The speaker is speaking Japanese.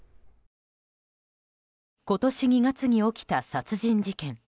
今年２月に起きた殺人事件。